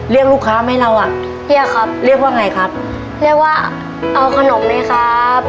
เรียกลูกค้าไหมเราอะเรียกว่าไงครับเรียกว่าเอาขนมหน่อยครับ